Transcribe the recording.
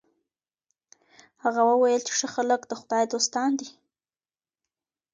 هغه وویل چي ښه خلک د خدای دوستان دي.